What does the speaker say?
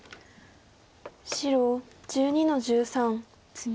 白１２の十三ツギ。